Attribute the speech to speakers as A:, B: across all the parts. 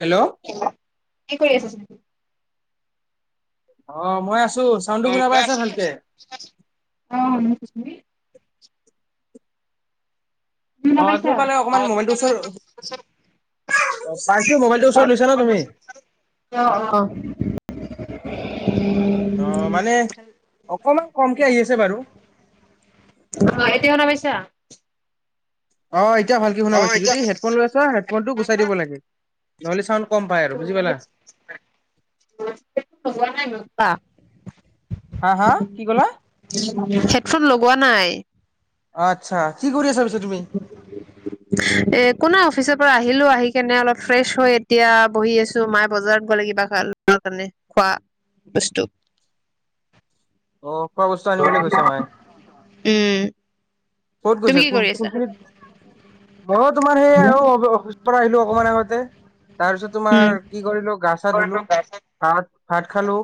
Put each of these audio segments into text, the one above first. A: Hello.
B: কি কৰি আছা? [unintelligible]
A: অ', মই আছো
B: [inaudible] অ
A: চাউণ্ডটো শুনা পাই আছা ভালকে
B: শুনিছো, তুমি?
A: অ' তুমি পালে অকমান মবাইলটোৰ, অ' পাইছোঁ মোবাইলটো ওচৰত লৈছা ন তুমি?
B: [inaudible]
A: অ', মানে অকমান কমকে আহি আছে বাৰু। অহ এ তিয়া ভালকে শুনা পাইছো, যদি হেডফোন লৈ আছা হেডফোনটো গুচাই দিব লাগে। নহ'লে চাউণ্ড কম পাই আৰু বুজি পালা
B: [unintelligible]
A: হা হা কি ক'লা
B: হেডফোন লগোৱা নাই।
A: আত
B: একো নাই, অফিচৰ পৰা আহি হিলো আহি কিনে অলপ ফ্ৰেছ হৈ এতিয়া বহি আছো, মায়ে বজাৰত গ'লে কিবা আনিবৰ কাৰণে খোৱা বস্তু।
A: অ' খোৱা বস্তু আনিবলৈ গৈছে মায়ে?
B: উম
A: ক'ত
B: তুমি
A: গৈছে
B: কি
A: কোন
B: কৰি
A: কোন
B: আছা
A: খিনিত, মইয়ো তোমাৰ সেই আৰু অফিচৰ পৰা আহিলো অকমান আগতে। তাৰ পিছত
B: উম
A: তোমাৰ কি কৰিলো, গা চা ধুলো, ভাত ভাত খালো,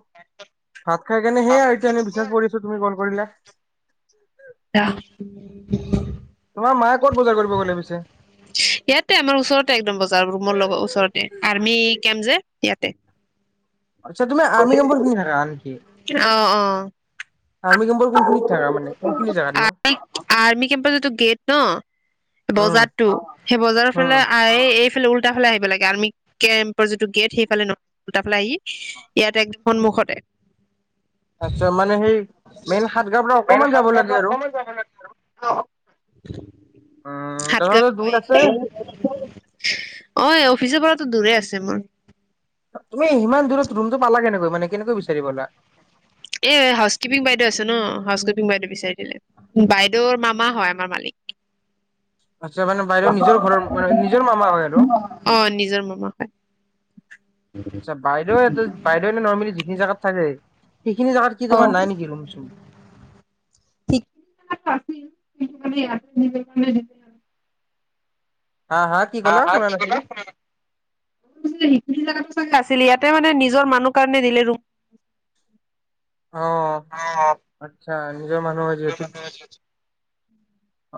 A: ভাত খাই কিনে সেয়া এতিয়া এনে বিছনাত পৰি আছো তুমি ক'ল কৰিলে
B: [unintelligible]
A: তোমাৰ মায়ে ক'ত বজাৰ কৰিব গ'লে পিছে?
B: ইয়াতে আমাৰ ওচৰতে একদম বজাৰ ৰুমৰ লগত ওচৰতে আৰ আমি কেম যে, ইয়াতে
A: আচ্ছা তুমি আৰ্মি কেম্পৰ খিনি থাকা নিকি?
B: অ অ
A: নো?
B: [inaudible] আৰ্মি কেম্পৰ যিটো গেট ন!
A: উম
B: বজাৰটো সেই বজাৰৰ
A: উম
B: ফালে আই এইফালে উল্টা ফালে আহিব লাগে, আৰ্মি কেম্পৰ যিটো গেট সেইফালে উল্টা ফালে আহি ইয়াত এক সন্মূখতে
A: আচ মানে সেই মেইন সাতগাঁওৰ পৰা অকমান যাব লাগে আৰু উম,
B: হাত গাঁৱে
A: [unintelligible]
B: কয়
A: দূৰ আছে।
B: এইখিনি অ এই অফিচৰ পৰাতো দূৰে আছে মোৰ
A: তুমি সিমান দূৰত ৰুমটো পালা কেনেকৈ? মানে কেনেকৈ বিচাৰি পালা?
B: এই হাউচ কিপিং বাইদেউ আছে ন, হাউচ কিপিং বাইদেউ বিচাৰি দিলে বাইদেউৰ মামা হয়, আমাৰ মালিক।
A: আচ্ছা মানে বাইদেউ নিজৰ ঘৰৰ মানে নিজৰ মামা হয় আৰু
B: অ নিজৰ মামা হয়
A: আচছা বাইদেউ, বাইদেউ নৰ্মেলি যিখিনি জাগাত থাকে। সেইখিনি জাগাত কি
B: অ
A: তোমাৰ নাই নেকি তোমাৰ ৰুম, চোম?
B: [unintelligible]
A: হা হা কি ক'লা
B: [unintelligible]
A: শুনা নাছিলো?
B: [unintelligible] ইয়াতে মানে নিজৰ মানুহ কাৰণে দিলে ৰুম
A: অ', আচ্ছা নিজৰ মানুহৰ যিহেতু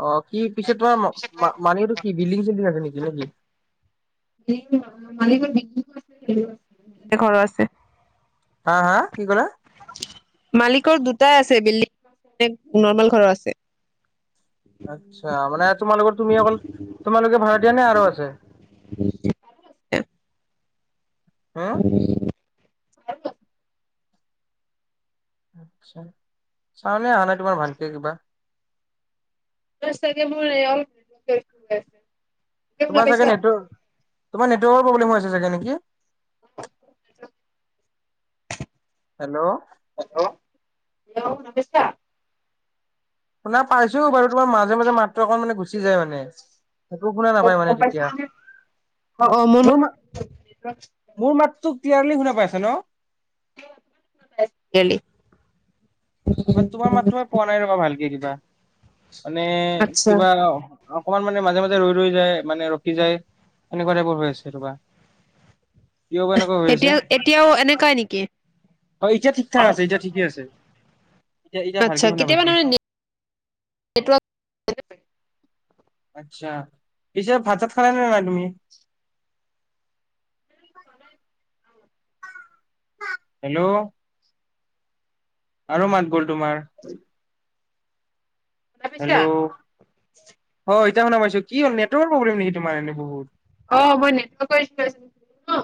A: অ' কি পিছে তোমাৰ মানুহটো কি বিল্ডিং চিল্ডিং আছে নেকি নেকি?
B: ঘৰ আছে।
A: হা হা কি ক'লা?
B: মালিকৰ দুটাই আছে বিল্ডিং নৰ্মেল ঘৰৰ আছে।
A: আচ্ছা মানে তোমালোকৰ তুমি অকল তোমালোকে ভাড়া দিয়া নে আৰু আছে হা
B: হয়।
A: আ চাউনে অহা নাই তোমাৰ ভালকে কিবা
B: চাগে মোৰ নছে
A: তোমাৰ চাগে সেইটো তোমাৰ নেটৱৰ্কৰ প্ৰব্লেম হৈ আছে চাগে নেকি?
B: [inaudible]
A: হেল্ল'।
B: [unintelligible]
A: শুনা পাইছো বাৰু, তোমাৰ মাজে মাজে মাতটো অকল মানে গুচি গুছি যায় মানে। একো শুনা নাপায় মানে তেতিয়া,
B: অ অ
A: মোৰ মা, মোৰ মাতটো ক্লিয়াৰলি শুনা পাইছা ন'?
B: [unintelligible]
A: [unintelligible] তোমাৰ মাতটোহে তোমাৰ পোৱা নাই ৰ'বা, ভালকে কিবা। মানে
B: আচ্ছা
A: কিবা অকণমান মানে মাজে মাজে ৰৈ ৰৈ যায়, মানে ৰখি যায়, এনেকুৱা টাইপৰ হৈ আছে ৰ'বা। কিয় বা এনেকুৱা হৈ আছে।
B: এতিয়া এতিয়াও এনেকুৱাই নেকি
A: অ', এতিয়া ঠিক ঠাক আছে, এতিয়া ঠিকে আছে। এতিয়া এতিয়া ভালকে
B: আচ্ছা,
A: শুনা
B: কেতিয়াবা
A: পাইছো
B: তাৰমানে [unintelligible] নেটৱৰ্ক
A: আচ্ছা, পিচে ভাত-চাত খালা নে নাই তুমি? হেল্ল'। আৰু মাত গ'ল তোমাৰ। হেল্ল'? হয়, এতিয়া শুনা পাইছো কি হল, নেটৱৰ্কৰ প্ৰব্লেম নেকি তোমাৰ এনে বহুত?
B: অ', মই নেটৱৰ্কৰ। [unintelligible]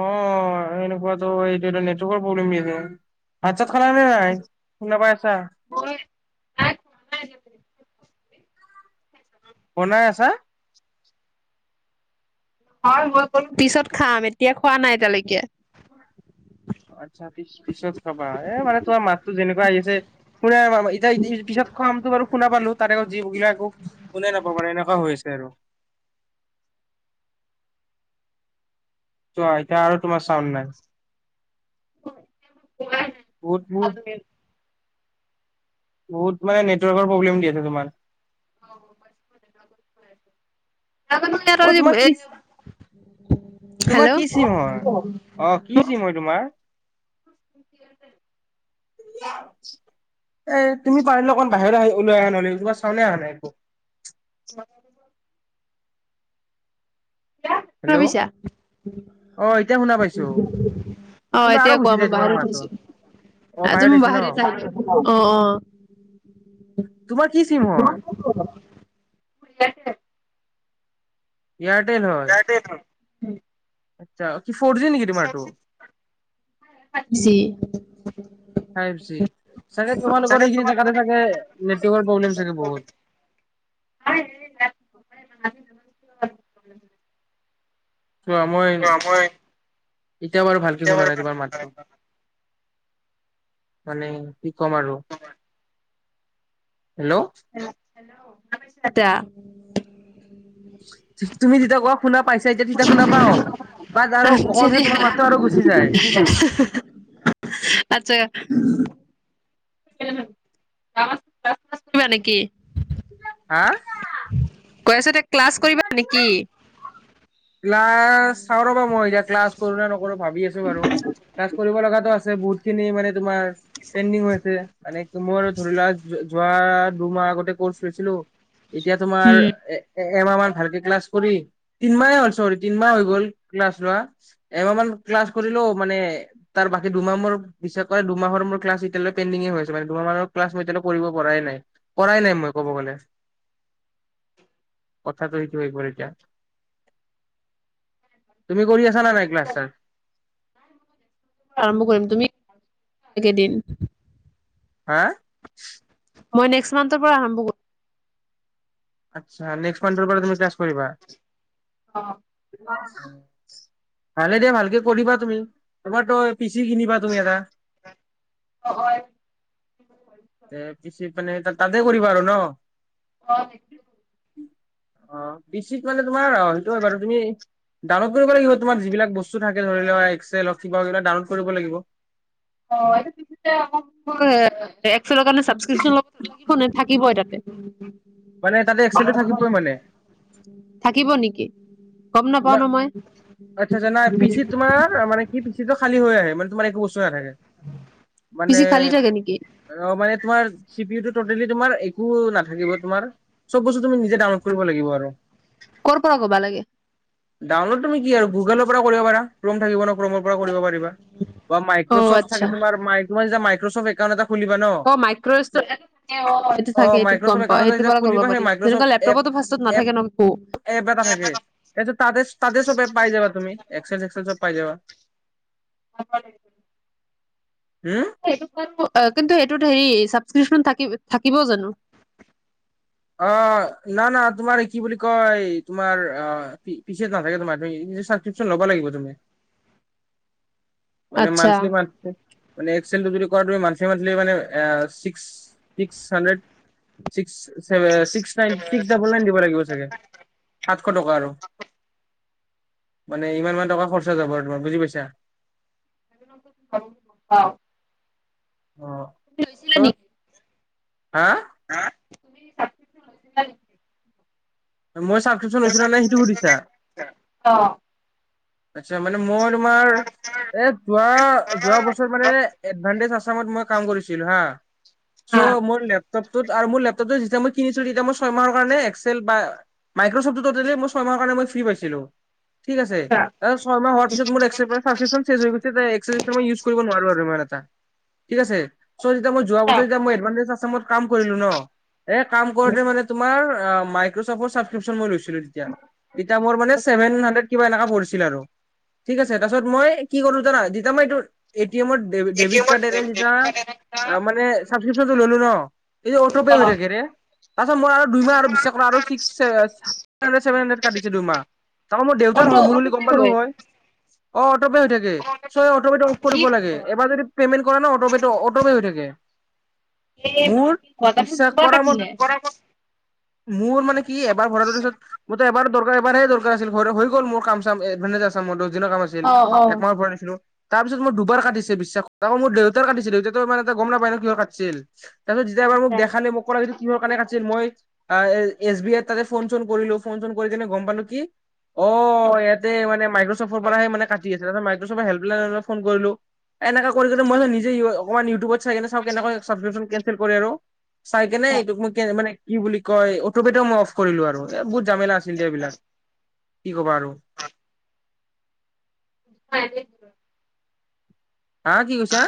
A: অ', এনেকুৱাতো এইটো এটা নেটৱৰ্কৰ প্ৰব্লেম [unintelligible] [unintelligible] খালা নে নাই? শুনা পাই আছা? বনাই আছা?
B: হয়, মইো কলো পিছত খাম, এতিয়া খোৱা নাই এতিয়ালৈকে।
A: অ', আচ্ছা, পিছত খাবা। এ, মানে তোমাৰ মাততো যেনেকুৱা আহি আছে [unintelligible] পিছত খামটো বাৰু শুনা পালো, তাৰে [unintelligible] একো শুনাই নাপাওঁ মানে, এনেকুৱা হৈ হৈছে আৰু। চোৱা, এতিয়া আৰু তোমাৰ চাউন নাই। [inaudible] [unintelligible] বহুত মানে, নেটৱৰ্কৰ প্ৰব্লেম দি আছে তোমাৰ। অ তোমাৰ কি
B: [unintelligible] [unintelligible]
A: তোমাৰ
B: হেল্ল'।
A: কি চিম হয়? অ কি চিম হয় তোমাৰ [unintelligible] এ তুমি পাৰিলে অকণ বাহিৰলে আহি-ওলাই আহা নহ'লে, একো চাউণ্ডেই অহা নাই একো।
B: [unintelligible] [unintelligible]
A: হেল্ল'
B: ভাৱিছা,
A: অ এতিয়া শুনা পাইছো
B: অ',
A: কিন্তু আৰু
B: এতিয়া কোৱা
A: গুচি যায়
B: মই
A: তোমাৰ
B: বাহিৰত
A: মাতটো অ
B: আহিছোঁ। তুমি
A: আহিছে ন।
B: বাহিৰত আহি-অ' অ'
A: তোমাৰ কি চিম হয়?
B: [unintelligible]
A: এয়াৰটেল হয়।
B: উম
A: আচ্ছা কি ফ'ৰ জি নেকি তুমাৰ টো?
B: সি
A: ফাইভ জি, চাগে তোমালোকৰ এইখিনি জাগাতে চাগে নেটৱৰ্কৰ প্ৰব্লেম চাগে বহুত।
B: [unintelligible]
A: চোৱা মই এতিয়াও বাৰু ভালকে শুনা নাই তোমাৰ মাতটো। মানে কি কম আৰু হেল্ল'
B: দা
A: তুমি জিতিয়া কোৱা। শুনা পাইছে এতিয়া, তেতিয়া শুনা পাও, বাট আৰু
B: আচ্ছা
A: অকমান পিছত
B: দিয়া
A: তোমাৰ মাতটো আৰু গুচি যায়।
B: বা নেকি?
A: হা
B: কৈ আছে তে ক্লাছ কৰিবা নেকি?
A: ক্লাছ, চাওঁ ৰ'বা মই এতিয়া ক্লাছ কৰো নে নকৰো ভাবি আছো বাৰু, ক্লাছ কৰিব লগা আছে বহুতখিনি মানে তোমাৰ পেণ্ডিং হৈ আছে। মানে তোমাৰো ধৰি লোৱা জ যোৱা দুমাহ আগতে ক'ৰ্চ লৈছিলো। এতিয়া তোমাৰ
B: উম
A: এ, এ এমাহ মান ভালকে ক্লাছ কৰি তিনমাহ এ হ'ল চৰি তিনমাহ হৈ গ'ল ক্লাছ লোৱা, এমাহ মান ক্লাছ কৰিলোঁ মানে তাৰ বাকী দুমাহ মোৰ বিশ্বাস কৰা দুমাহৰ মোৰ ক্লাছ এতিয়ালে পেণ্ডিঙ এ হৈ আছে, মানে দুমাহ মানৰ ক্লাছ মই এতিয়ালে কৰিব পৰাই নাই, কৰাই নাই মই ক'ব গ'লে, কথাটো সেইটো হৈ গ'ল এতিয়া। তুমি কৰি আছা নে নাই ক্লাছ-চাচ?
B: আৰম্ভ কৰিম, তুমি একেদিন
A: হা
B: মই নেক্সট মান্থৰ পৰা আৰম্ভ কৰিম।
A: আচ্ছা, নেক্সট মান্থৰ পৰা তুমি ক্লাছ কৰিবা।
B: অ।
A: ভালে দিয়া ভালকে কৰিবা তুমি, তোমাৰ তো পিচি কিনিবা তুমি এটা, তে পিচি মানে তাতে কৰিবা আৰু ন?
B: অ', বি
A: অ', পি চি ত মানে তোমাৰ, সেইটো হয় বাৰু তুমি ডাউনলোড কৰিব লাগিব তোমাৰ যিবিলাক বস্তু থাকে ধৰি লোৱা এক্সেল হওক কিবা হওক সেইবিলাক ডাউনলোড কৰিব লাগিব।
B: অ', [unintelligible] এক্সেলৰ কাৰণে ছাবচক্রিপচন লব লাগিব নে? থাকিবই তাতে? [inaudible]
A: মানে তাতে এক্সেলটো থাকিবই মানে
B: [unintelligible] থাকিব নিকি?
A: মা, আটচ্ছা-চ্ছা নাই, পি চিত তোমাৰ মানে কি পি চি টো খালী হৈ আহে মা তোমাৰ একো বস্তু নাথাকে মানে,
B: পিছে খালি থাকে নেকি
A: অ', মানে তোমাৰ চি পি ও টো ত'তেলি একো নাথাকিব তোমাৰ চব বস্তু তুমি নিজে ডাউনলোড কৰিব লাগিব আৰু
B: কৰ পৰা কবা লাগে?
A: ডাউনলোড তুমি কি আৰু গোগলৰ পৰা কৰিব পাৰা, ক্ৰম থাকিব নহয় ক্ৰমৰ পৰা কৰিব পাৰি বা
B: অ
A: মাইক্ৰচফট থাকে
B: আচ্ছা
A: তোমাৰ, মাইক তোমাৰ যেতিয়া মাইক চফ্ট একাউণ্ট এটা খুলিবা ন
B: অ মাইক্ৰচফ্ট অ এইটো থাকে এটোত
A: মাইক্ৰচফ্ট
B: গম পাওঁ
A: একাউণ্ট এটা
B: সেইটো
A: যেতিয়া
B: পৰা কৰিব
A: খুলিবা সেই
B: পাৰি
A: মাইক্ৰচফ্ট
B: যেনেকুৱা
A: এপ
B: লেপটপতো ফাৰ্ষ্টত নাথাকে ন
A: এটো তাতে-তাতে চবে পাই যাবা তুমি, এক্সেল সেক্সেল চব পাই যাবা
B: [unintelligible]
A: হুম
B: [unintelligible] কিন্তু সেইটোত হেৰি ছাবস্ক্ৰিপশ্যন থাকি-থাকিব জানো?
A: অ', ন ন তোমাৰ কি বুলি কয় তোমাৰ পিচিঅ'ত নাথাকে তোমাৰ ছাবক্ৰিপচন ল'ব লাগিব তুমি। মানে
B: আচ্ছা
A: মান্থলি মান্থলি মানে এক্সেলটো যদি কৰা তুমি মান্থলি মান্থলি মা এ six six hundred six seven six nine six double nine দিব লাগিব চাগে এশ টকা আৰু মানে ইমানমান টকা খৰচা যাব আৰু তোমাৰ বুজি পাইছা?
B: [unintelligible]
A: অ ত
B: [unintelligible] নি
A: হা?
B: হা [unintelligible]
A: মই ছাবস্ক্ৰিপশ্যন লৈচিলো নাই সেইটো সুধিছা আচ্ছা মানে। মই তোমাৰ, এ যোৱা-যোৱা বছৰ মানে এডভাণ্টেজ আ। ত মই কাম কৰিছিলো হা। চ' মোৰ লেপটপ। তোত আৰু মোৰ লেপটপ যেতিয়া মই কিনিছিলোঁ তেতিয়া মই ছয় মাহৰ কাৰণে এক্সেল বা মাইক্ৰচফ্টটো ট'তেলি মই ছয় মাহৰ কাৰণ মই ফ্ৰী পাইছিলোঁ। ঠিক আছে। এ ছয়মাহ হোৱাৰ পিছত মোৰ এক্সেলৰ চাবক্ৰিপচন শেষ হৈ গৈছে এক্সেল থেক্সেল উঁইছ কৰিব নোৱাৰোঁ আৰু মানে। অ, ঠিক আছে। চ', যেতিয়া মোৰ যোৱা বছৰৰে যেতিয়া মোৰ এডভাণ্টেজ আসাম। সামত মই কাম কৰিলোঁ নহ। এ কাম কৰোঁতে মানে তোমাৰ। মাইক্ৰচফ্টৰ ছাবক্ৰিপচন মই লৈছিলো। [unintelligible] তেতিয়া মোৰ মানে চেভেন হান্দ্ৰেড। কিবা এনেকুৱা কৰিছে। তাকে ঠিক আছে তাৰপিচত মই কি কৰোঁ জনা যেতিয়া মই এইটো। এটিএমৰ দেভিত-দেভিতকাৰ্ডৰে যেতিয়া মানে চাবক্ৰিপচনটো ললো নহ। এই অটপে হৈ থাকে ৰে তাৰপিচত মই আৰু দুইমাহ আৰু বিশ্বাস আৰু six seven six hundred seven hundred কাটিছে দুইমাহ তাকো মোৰ দেউতাৰ হয় মোৰ। গম পালোঁ হয়। অত। অট'পে হৈ থাকে চোৱা অট'পে অফ কৰিব লাগে এবাৰ যদি পেমেণ্ট কৰা নহ অট'পেটো অট'পে হৈ থাকে মোৰ বিশ্বাস কৰা মই মোৰ মানে কি ভৰালো তাৰপিছত এবাৰ কি। দৰকাৰ পাৰে দৰকাৰ আছিল, হৈ গ'ল মোৰ কাম। Advantage Assam model. দুদিনৰ কাম আছিল, একমাহত ভৰাই দিছিলোঁ। তাৰ পিছত মোৰ দুৱাৰ কাটিছে, বিশ্বাস কৰা তাকো মোৰ দেউতাৰ কাটিছিল, দেউতা মানে ইমানতা গম নাপায় কিয় কাটিছিল? তাৰ পিছত যেতিয়া মোক দেখালে মোক ক'লে। কিহৰ কাৰণে কাটিছিল, মই এচবিআইৰ তাতে ফোন -চোন কৰিলোঁ ফোন -চোন কৰিকিনে গম পালোঁ কি? অ য়েত। দেই মানে মাইক্ৰচফ্টৰ পৰাই মানে কাট। আছে মাইক্ৰচফ্টৰ হেল্পলাইনট ফোন কৰিলোঁ। এনেকৈ কৰি যদি মই নিজে উৱাৰ অ। অকমান ইউটিউবত। চাওঁ, কেনেকৈ চাবক্ৰিপচন কেন। [unintelligible] কৰে আৰু। চায় কেনে এইটো মোক কে মানে কি বুলি কয়, অটপিটো কৰিলো আৰু এই বহুত ঝামেলা আছিল যে এইবিলাক। কি কবা আৰু।
B: [inaudible]
A: হা, কি কৈছা?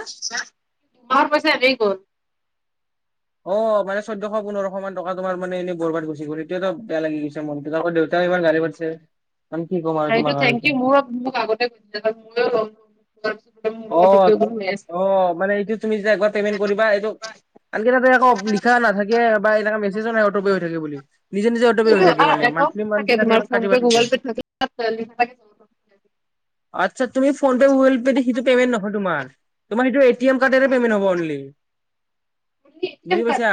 B: মাহৰ পইচা এনে গ'ল।
A: অ মানে চৈধ্যশ পোন্ধৰশ মান টকা তোমাৰ মানে এনে বৰবাত গুছি গ'ল। এইটো এটা বেয়া লাগি গৈছে মনতো আকৌ দেউতাই এইবাৰ [unintelligible]
B: আৰু এইটো থেংক ইউ মোৰ মোক আগতে [unintelligible]
A: অ
B: মোৰো অট'পে অন হৈ আছে।
A: অ মানে এইটো তুমি যে একবাৰ পেমেন্ট কৰিবা এইটো আনকি তাতে আকৌ লিখা নাথাকে বা এনেকা মেচেজও নাহে অটো থাকে বুলি। নিজে নিজে অট'পে হৈ
B: এইটো
A: থাকে
B: এটা
A: মানে মান্থলি
B: একাউণ্ট থাকে
A: মান্থলি কাটে
B: তোমাৰ ফ'ন
A: কাটিব
B: পে
A: থাকে
B: গুগল পে থাকে [unintelligible]
A: আচ্ছা তুমি ফ'ন পে গুগল পে দি সেইটো পেমেণ্ট নহয় তোমাৰ তোমাৰ সেইটো এটিএম কাৰ্ডেৰে পেমেণ্ট হ'ব অনলি। বুজি পাইছা।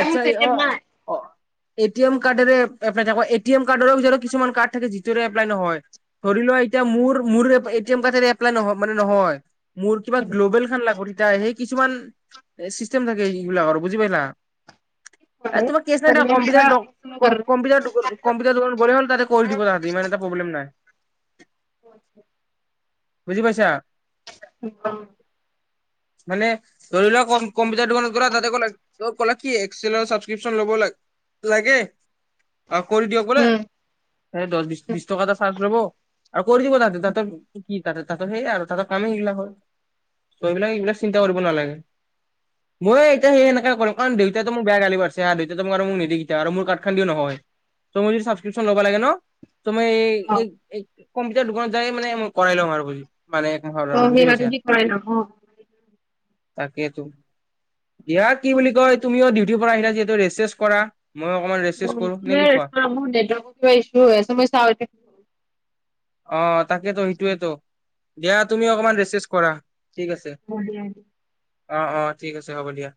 A: আচ্ছা এই অ অ। এটিএম কাৰ্ডেৰে এটিএম কাৰ্ডৰো কিছুমান কাৰ্ড থাকে যিটোৰে এপ্লাই নহয় ধৰি লোৱা এতিয়া মোৰ মোৰ এটিএম কাৰ্ডেৰে এপ্লাই নহয় মানে নহয়। মোৰ কিবা গ্ল'বেল খান লাগ এতিয়া সেই কিছুমান চিষ্টেম থাকে এইবিলাকৰ বুজি পালা। এ তোমাৰ কেচ নাই দিয়া কম্পিউটাৰ
B: বাৰু।
A: দক-কম্পিউটাৰ দোকানতে গ'লে হ'ল তাতে কৰি দিব তাহাতি ইমান এটা প্ৰব্লেম নাই।
B: [inaudible]
A: বুজি পাইছা?
B: অ।
A: মানে ধৰি লোৱা কম্পিউটাৰ দোকানত গ'লা তাতে গৈ ক'লা কি এক্সেলৰ ছাবস্ক্ৰিপচন ল'ব লাগে। অ কৰি দিয়ক
B: উম
A: বোলে দশ বিশ টকা এটা চাৰ্জ লব। আৰু কৰি দিব তাতে তাতে কি তাতে তাহাতৰ সেয়াই আৰু তাহাতৰ কামেই এইবিলাক হয় এইবিলাক এইবিলাক চিন্তা কৰিব নালাগে মইয়ো এতিয়া সেই এনেকে কৰিম কাৰণ দেউতাইতো মোক বেয়া গালি পাৰিছে আৰু দেউতা মোক আৰু মোক নিদিয়ে কেতিয়াও আৰু মোৰ কাৰ্ড খন দিও নহয় চ মোৰ যদি ছাবস্ক্ৰিপচন ল'ব লাগে ন ত মই এই এই কম্পিউটাৰ দোকান যায়ে মানে কৰাই ল'ম আৰু বু
B: অ [unintelligible] কৰে ন।
A: তাকেতো, দিয়া কি বুলি কয় তুমিও ডিউটিৰ পৰা আহিলা যিহেতু ৰেষ্ট চেষ্ট কৰা। মই অকমান ৰেষ্ট চেষ্ট কৰো নে কি কোৱা
B: [inaudible]
A: অ! তাকেইেতো, সেইটোৱেতো, দিয়া তুমি অকণমান ৰেচ চেছ কৰা। ঠিক আছে
B: অ!
A: অ অ ঠিক আছে হ'ব দিয়া।